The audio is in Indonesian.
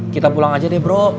kita pulang aja deh bro